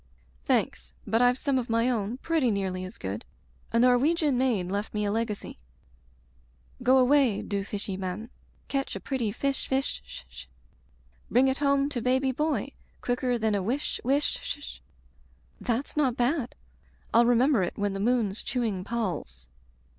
"Thanks, but Tve some of my own pretty nearly as good. A Norwegian maid left me a legacy "'Go away du fische mann Catch a pretty fish fish — sh — sh, Bring it home to baby boy Quicker than a wish — ^wish — shsh.*" "That's not bad; FU remember it when the moon's chewing palls.